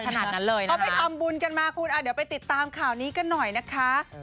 ขนาดนั้นเลยนะเขาไปทำบุญกันมาคุณเดี๋ยวไปติดตามข่าวนี้กันหน่อยนะคะ